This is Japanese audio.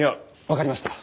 分かりました。